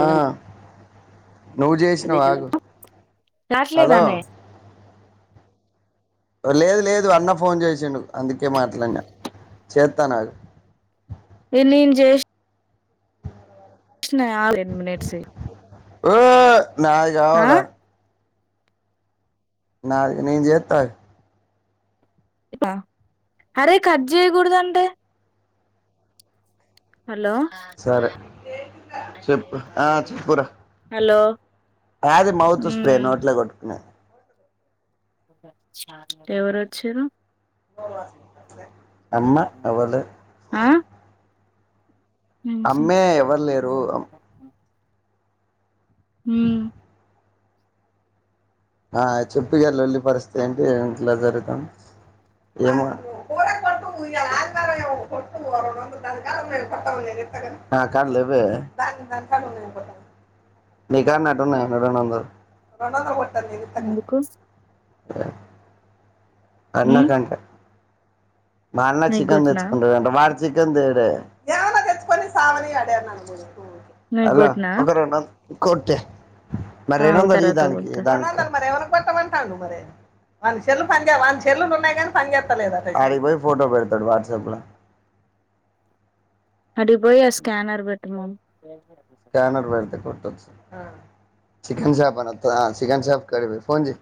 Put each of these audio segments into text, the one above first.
ఆ నువ్వు జేసినావ్ ఆగు హలో రాట్లేదానే లేదు లేదు అన్న ఫోన్ చేసిండు అందుకే మాట్లాడినా చేత్తా నాగు ఎన్ని నిమిష ష్ణనాయే టెన్ మినిట్స్ ఓ య్ ఆ నావిగావన్న నాది నేను జేత్త ఆగు ా అరే కట్ జెయ్యకూడదు అంటే సరే చెప్పు ఆ చెప్పురా హలో యాది మౌత్ స్ప్రే ఉమ్ నోట్లో కొట్టుకునేది స్టార్ట్ ఎవరు వచ్చిర్రు అమ్మ ఎవరు మేం సిన్ అమ్మే ఎవరు లేరు మ అమ్- ఊ మ్ అ చెప్పుగ లొల్లి పరిస్థితి ఏంటి ఇంట్లా ఎట్లా జరుగుతంది ఏం మాట్లా కూరలు కొట్టు ఇవాలా ఆదివారం ఏమో కొట్టు ఓ రెండు వందలు దాని కాడ ఉన్నాయ్ కొడ్తా నేను ఇస్తా కాని నా కాడ లేవే దాని కాడా ఉన్నాయ్ కొడ్తా నీ కాడ ఉన్నట్టు ఉన్నాయ రెండు వందలు రెండువందదలు కొట్ సరే నేను ఇత్త గాని ఎందుకు అన్న ఉమ్ కంట మా అన్న నీకు చికెన్ కొట్టినా తెచ్చుకుంటారు అంట వాడి చికెన్ దే డే ఏమైనా తెచ్చుకొని సావనియాడు నీకు హలో కొట్టినా ఒక రెండు రోజులు కొట్టే మరి ఆగు రెండువందలు యి తర్వాత దానికి కొడతా దానికి కొట్టమంటాడు మరి వాని సెల్లు పని వాని సెల్లులు ఉన్నాయి గాని పని జెత్తలేదంట మరి అడికిపోయ్ ఫోటో పెడతాడు వాట్సాప్లో ఆడికిపోయి అ స్కానర్ పెట్టు మను అ చికెన్ షాప్ కనవత్తద చికెన్ షాప్ కాడికి పోయి ఫోన్ జేయ్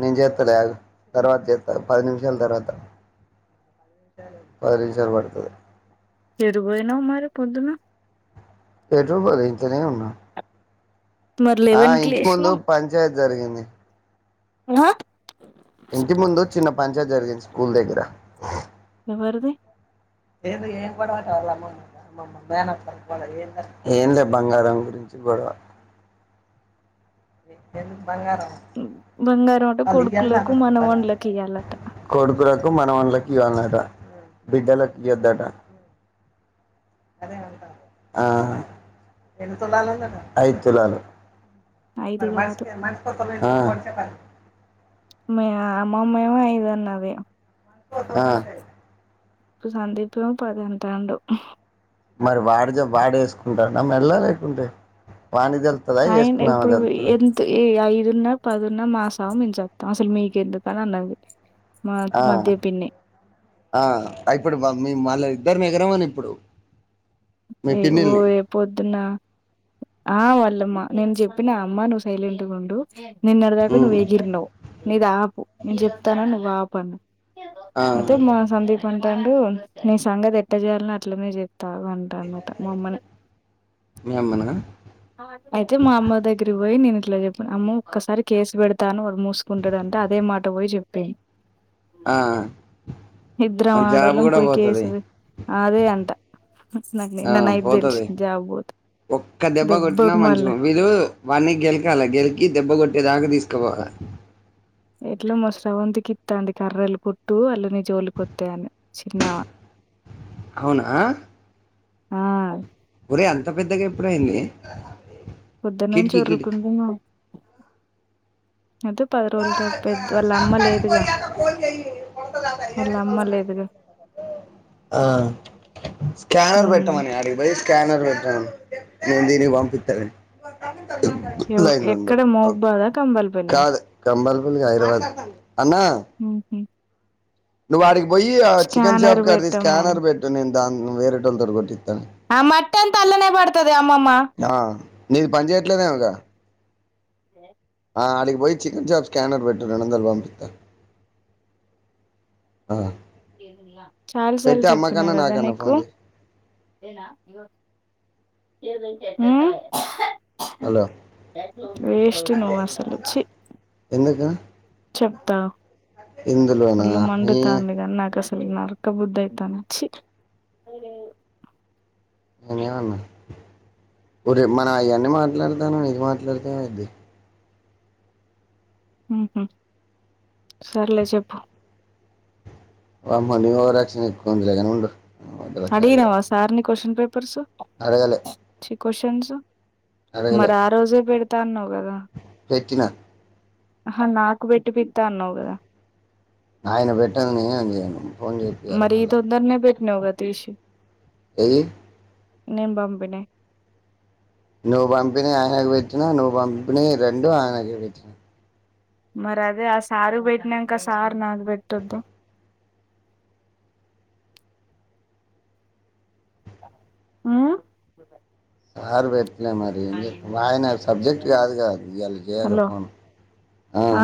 నే జేత్తలే ఆగు తర్వాత జేత్త పది నిమిషాల తర్వాత పది నిమిషాలు పడతది ఏటికి పోయినావ్ మరి పొద్దున ఎటూ బోదు ఇతనే ఉన్నా మరి అ లెవెన్ కి ఇంటి ముందు పంచాయ్ తి జరిగింది నా ఇంటి ముందు చిన్న పంచర్ జరిగింది స్కూల్ దగ్గర. ఎవరిది ఏం లే బంగారం గురించి గొడవ. ఎమ్ బంగారం అట కొడుకులకు మనవన్లకి ఇయ్యాలట కొడుకులకు మనవాళ్లంకు ఇవ్వాలం బిడ్డలకి ఇయ్యోద్దటా ఆహ్ ఐదు తులాలు. ఐదు కాదు ఆహ్ మీ అమ్మమ్మ ఏమో ఐదన్నది. ఆహ్ ఇప్పుడు సందీప్ ఏమో పది అంటాండు. మరి వాడిది వాడెసుకుంటాన్నడ మెడలో లేకుంటే వాని తెలుతుందా అయన వేసుకున్నామా ఇప్పుడు తెలుతుందా ఎంత య అయి పదున్న పదున్న మాసావు మేము సస్తమ్ అసలు మీకు ఎందుకని అన్నది. మా ఆహ్ మధ్య పిన్ని ఆహ్ ఇప్పుడు మల్ల మీ మల్లతే ఇద్దరం మీగరం అని ఇప్పుడు. మీ ఏయ్ పిన్నిల్ని ఓయ్ పొద్దున్న ఆహ్ వాళ్ళమ్మ. నేను చెప్పిన అమ్మ నువ్వు సైలెంట్ గా ఉండు. నిన్నటిదాకా ఉమ్, నువ్వు ఎగిరినవ్ నీదాపు. నేను చెప్తాను. నువ్వు ఆపు అన్నా ఆ, అయితే మా సందీప్ అంటుండు నీ సంగతి ఎట్ట చేయాలనొ అట్లనే చేస్తా ఆగు అని. అనమాట మా అమ్మనే మీ అమ్మనా అయితే మా అమ్మ దగ్గర పోయి నేను అట్లా చెప్పిన అమ్మ ఒక్కసారి కేసు పెడతాను వాడు మూసుకుంటాడుంటే అదే మాట పోయి చెప్పెసింది. ఆ, మన జాబ్ ఆడోలం కూడా పోయి పోతుంది కేసుపె అదే అంట నాకు నిన్న ఆహ్ నైట్ పోతది తెలిసింది జాబ్ పోతే ఒక్క దెబ్బ కొట్టినా దెబ్బకు మళ్ళా మంచిగా వీళ్ళు వాన్ని గెలకాలే గెలికి దెబ్బ కొట్టే దాకా తీసుకు కోబని ఎట్లా మా స్రవంతికి ఇత్త ఉంది కర్రలు కొట్టు వాళ్ళని. జోలికొత్తయని చిన్న అవునా ఆహ్ ఇప్పుడే ఏంది. పొద్దున్నుంచి వరులుకుంటున్న. పది రోజుల తర్వాత పెద్ద వాళ్ళ అమ్మ లేదుగా వాళ్ళ అమ్మ లేదుగా ఆహ్ స్కానర్ ఉమ్ పెట్టమని అడిగిద స్కానర్ పెట్టమని నేను ఈడికి పంపిత్తలే. లైన్ లో ఉండు ఎక్కడ ఓకే మోగ్బాదా కంబలి. బేనా, [inaudible] హైదరాబాద్ అన్నా ఉహు నువ్వు ఆడికి పోయి ఆ చికెన్ స్కానర్ షాప్ కాడిది. పెట్టమ్మా స్కానర్ పెట్టు నేను దాన్ని వెరైటోళ్లతోనే. కొట్టిస్తాను ఆ మట్టంతా అల్లనే పడతది అమ్మమ్మ ఆ నీది పని చేయట్లేదేమోంగా, ఏ ఆడికి పోయి చికెన్ షాప్, స్కేనర్ పెట్టు రెండు వందలు పంపిస్తా, చాలా సార్లు పెట్టి చెప్పిన అమ్మకన్నా కదా నాకన్నా నీకు, ఫోన్ చేయి ఉహు హలో వేస్ట్ నువ్వు అసలు ఛీ, ఎందుకు చెప్తా ఇందులోనా ఎ, నిన్ను నరకబుద్ది అయితాంది చి, నేనేమన్నా ఒరే మనం. అయ్యాన్ని మాట్లాడతాను ఇది మాట్లాడతే ఏమైంది, ఉహు సర్లే చెప్పు, వామ్మో మీ ఓవరాక్షన్ ఎక్కువుంది లేగాని ఉండు, వడ్డల కార్యాలు అడిగినవా సార్ ని క్యూస్షన్ పేపర్, పేపర్ సు అడగలే క్యూస్షన్స్ అడగలే మరి ఆ రోజే పెడుతే, ఇత్తా అన్నావ్ కదా, పెట్టిన ఆహ నాకు పెట్టి పిత్త అన్నావు కదా, ఆయన పెట్టంది నేను ఏమ్ చేయను ఫోన్ చేపియాలి మళ్ళా, నవ్వదష [unintelligible] ఏది నేను పంపిణీ, నువ్వు పంపిణీ ఆయనకు పెటినా నువ్వు పంపిణీ రెండు ఆయనకు పెట్నా, మరి అదే ఆ సారు పెట్టినాక సార్ నాకు ప పెట్టొద్దా, ఊ సార్ [inaudible] పేట్లే మరి ఏం చేతం ఆ ఆయన సబ్జెక్ట్ కాదు కాగా అది చేయాలి హలో ఫన్ ఆ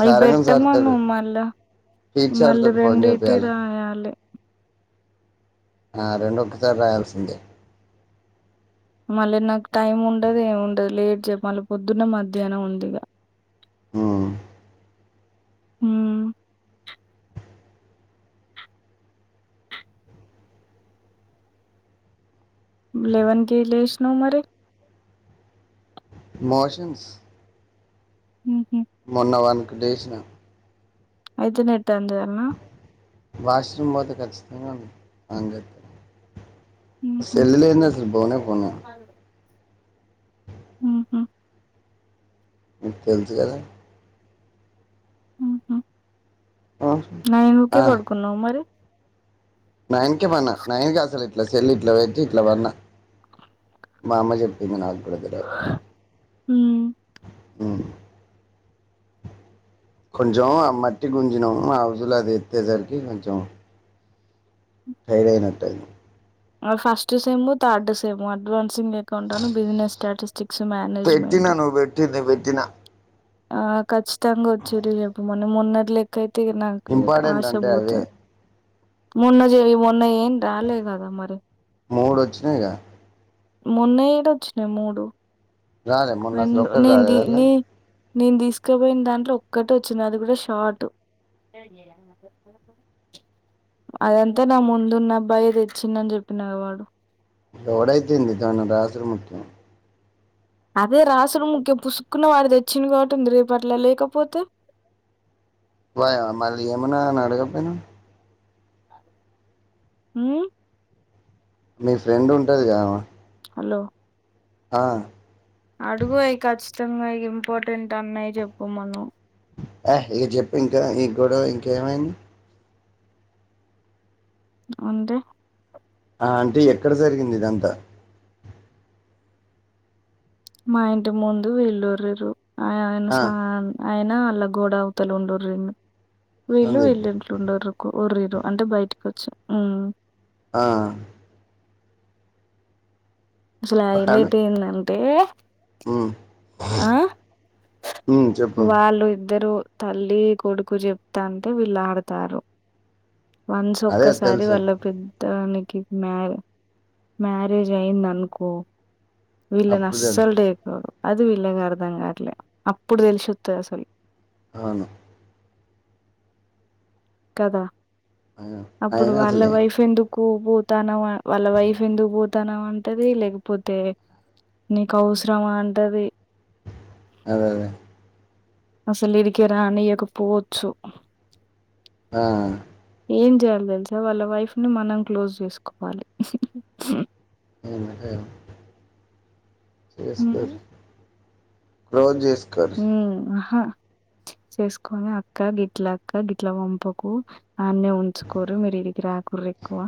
అవి పెట్టమను మళ్ళా టీచర్ మళ్ళీ తోటి ఫోన్ రెండిటి చేయాలి రాయాలే, ఆ రెండు ఒక్కసారి రాయాల్సిందే, మళ్ళీ నాకు టైం ఉండదు. ఏమిండదు లేట్ చేయకు మళ్ళీ పొద్దున్న మధ్యాహ్నం ఉంది ఇగా ఊ ఉహు లేెవన్ కే లేసినావ్ మరి, మోషన్స్ హ్మ్మ్ హ్మ్మ్ మొన్న వన్కి డేసిన అయిదు నట్ ఆన్ జేయల్న వాష్రూమ్ పోతే ఖచ్చితంగా అంగ హుహు. సెల్లు లేనిది అసలు పోనే పోను నేను హ్మ్మ్ నీకు తెల్సు కదా హ్మ్మ్ నైన్ కే పడుకున్నావు మరి నైన్ కే పన్న నైన్ క అసలు ఇట్లా సెల్ ఇట్ల పెట్టి ఇట్లా వన్న మా అమ్మ చెప్పింది నాకు అడుదుల హ్మ్. హ్మ్మ్ కొంచెం ఆ మట్టి గుంజినం ఆ రోజులు అది ఎత్తేసరికి కొంచెం టైడ్ అయినట్టయింది first same third same advancing అకౌంటను బిజినెస్ స్టాటస్ పెట్టినా నువ్వు పెట్టింది పెట్టినా ఆ కచ్చితాంగొచ్చేటివి చెప్పమను మొన్నటిలెక్కయిత్ తే నాకు ఇంపార్టెంట్ అంటే ఆశబోత అవే మొన్న చెవి మొన్న ఏం రాలేదు కదా మరి మూడు వచ్చినాయిగా మొన్న ఏడొచ్చినాయి మూడు రాలే మొన్నసలు రెండు ఒకటి నేను రాలే ది అందుకో నీ నేను తీసుకుపోయిన దాంట్లో ఒక్కటొచ్చింది అది కూడా షాట్ అదంతా నా ముందున్న అబ్బాయి తెచ్చిండని చెప్పిన వాడు లోడైతుంది తను రాజు ముఖ్యం అదే రాసులు ముఖ్యం పుసుక్కున వాడి తెచ్చిన కాబటి ఉంది రేపు అట్లా లేకపోతే బ మళ్ళీ ఏమనా అని అడగపోయినా మ్మ్ మీ ఫ్రెండ్ ఉంటదిగామ హలో హా అడుగయి ఖచ్చితంగా ఇంపార్టెంట్ అన్నయి చెప్పమను ఏయ్ ఇక చెప్ప ఇంకా ఇ గడ ఇంకేమైంది అంటే ఆ అంటే ఎక్కడ జరిగింది ఇదంతా మా ఇంటి ముందు వెళ్ళురిరు ఆ ఆయన్స ఆ! అయనా అల్లా గోడ అవతలు ఉండు. రెండూ వీళ్ళు సందీప్. వీళ్లంట్రా [unintelligible] వర్రీయ అంటే బయటికి వచ్చి హ్మ్ ఆ అస్సలు ఆ వాడు ఇళ్లయితే నల్ ఏ హ్మ్ ఆ హ్మ్. చెప్పు. వాళ్ళు ఇద్దరు తల్లి కొడుకు చెప్తాంటే వీళ్ళడతార్రు. వన్స్ అదే ఒక్కసారి తెలుసు. వాళ్ళ పెద్దని మ్యారేజ్ అయింద అనుకో వీళ్ళను అప్పుడు తెలు అస్సలు దేఖరు. అది వీళ్లగా అర్ధంగట్లే అప్పుడు తెలిసి వస్తది. అస్సలు అవును కదా అయినా అప్పుడు అయినా వాళ్ళ అసలే వైఫ్ ఎందుకు పో పోతానవా వాళ్ళ వైఫ్ ఎందుకు పోతానావ్ అంటది. లేకపోతే నీకు అవసరమా అంటది. అదే అదే అసలు ఇడికి రానియకపోవచ్చు. ఆ ఏం చేయాలి తెలుసా వాళ్ళ వైఫ్ ని మనం క్లోజ్ చేసుకోవాలి. అవు అ విష్ ఉమ్ పర్ రోజ్ చేస్త హ్మ్ హా చేసుకొని అక్క గిట్ల అక్క గిట్ల పంపకు అన్నే ఉంచుకోర్రీ. మీరు ఇడికి రాకుర్రీ ఎక్కువ.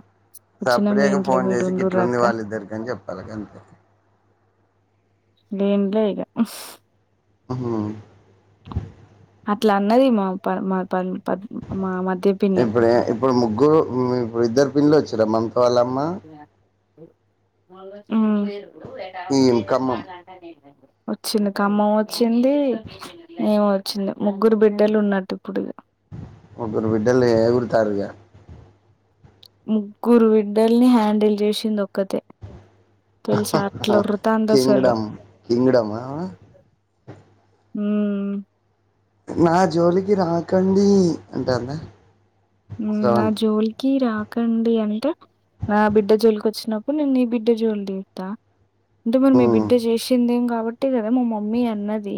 వచ్చిన మీ సప్డేక ఇంట్లో ఫోన్ మీరు చేసి ఉండుర్రి గిట్లు ఉంది. అక్క వాళ్ళిద్దరికి అని చెప్పాలి. గంతే ఏమ్ లే ఇగా ఆ అట్లా అన్నది మా పర్ మా పర్ మామ ఎప్పుడే ఇప్పుడు ముగ్గు ఇప్పుడు ఇద్దర్ [unintelligible] గా మమత వాళ్ళమ్మ హ్మ్ మీరు ఈ ఖమ్మం. [unintelligible] వచ్చింది. ఖమ్మం వచ్చింది. ఏమో వచ్చింది. ముగ్గురు బిడ్డలు ఉన్నట్టు ఇప్పుడు ఇగా ముగ్గురు బిడ్డలు ఏగురుతారు. ఇగా ముగ్గురు బిడ్డల్ని హ్యాండిల్ చేసింది. ఒక్కతే హా తెలుసా అట్లా హా ఒర్రుతాంది కింగ్ అసలు డమ్ కింగ్ డమ ఆమె హమ్ నా జోలికి రాకండి అంటాంద హమ్ నా జోల్ కి రాకండి అంటే నా బిడ్డ జోలికి ఒచ్చినప్పుడు నేన్ నీ బిడ్డ జోల్ తీత్త ఇంతముందు మీ ఉమ్ బిడ్డ చేసిందేం కాబట్టే గద మా మమ్మీ అన్నదీ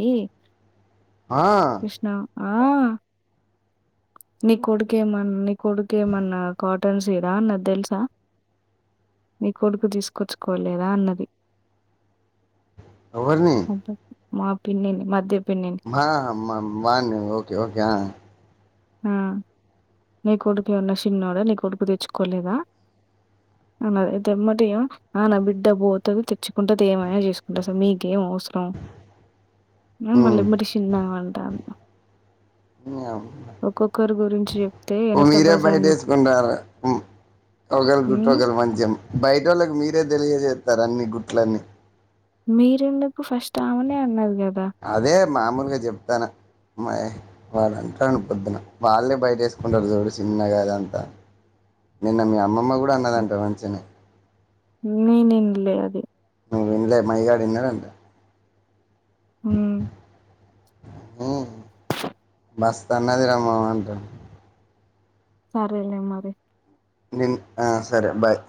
హా ఆ నీ కొడ్క్ కేమన్నా నీ కొడుకు ఏమన్నా కాటన్ సీడా అన్నది తెల్సా నీ కొడుకు తీసుకొచ్చుకోలేదా అన్నది ఓవర్ని అబ్బా! మా పిన్నిని మ తి మా మ వాన్ని ఓకేఓకే ఆ నీ కొడుకు ఎమన్న చిన్నొడా నీ కొడుకు తెచ్చుకోలేదా అన్నది ఐతే ఎమ్మటే ఈ ఆ నా బిడ్డ పోతది తెచ్చుకుంటది ఏమైనా చేసుకుంటది అస మీకేం అవ్స్ స్రం మళ్ళె ఉమ్ ఎమ్మటె శిన్న మీ ఒక్కొక్కరి గురించి జెప్తే ఎనక మీరే బజార్ బయట మొత్తం ఏసుకుంటారు హమ్ ఒకల్ గుట్టు ఒకలు మంచింగ బయట ఓళ్ళకి మీరే తెలియజేత్తరు అన్ని గుట్లన్ని మీరెందుకు ఫస్ట్ ఆమెనే అన్నది గద్ అదే మామూలుగా చెప్తాన మయ్ వాడు అంటాండు పొద్దున వాళ్ళే బయట ఏసుకుంటారు చూడు చిన్నగాదంతా నిన్న మీ అమ్మమ్మ కు కూడ అన్నదంట మంచినే నీనిన్ లే అది నువ్వు ఇన్లే మైగాడు ఇన్నడంట హమ్ హమ్ మస్త్ అన్నదిరా అంటాం సరేలే మరి నిన్ ఆ సరే బాయ్